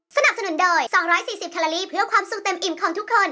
สนับสนุนโดย๒๔๐คาลาลีเพื่อความสุขเต็มอิ่มของทุกคน